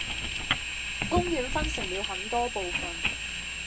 公園分成了很多部分